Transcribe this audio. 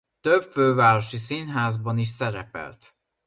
Több fővárosi színházban is szerepelt.